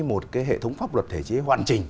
một cái hệ thống pháp luật thể chế hoàn chỉnh